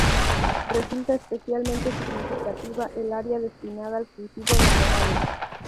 Resulta especialmente significativa el área destinada al cultivo de nogales.